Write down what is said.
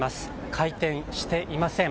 開店していません。